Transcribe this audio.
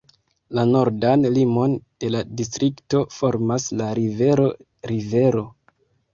La nordan limon de la distrikto formas la rivero rivero.